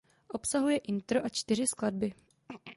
Obsahuje intro a čtyři skladby.